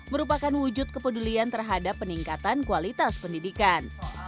merupakan wujud kepedulian terhadap peningkatan kualitas pendidikan